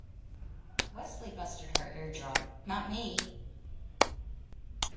Wesley busted her eardrum, not me.